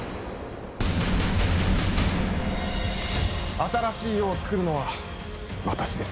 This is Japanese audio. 新しい世をつくるのは私です。